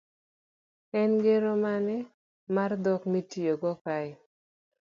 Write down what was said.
En ngero mane mar dhok mitiyogo kae?